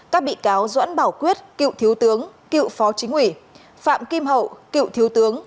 các bị cáo doãn bảo quyết cựu thiếu tướng cựu phó chính ủy phạm kim hậu cựu thiếu tướng